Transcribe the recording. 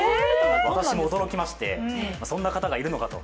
私も驚きまして、そんな方がいるのかと。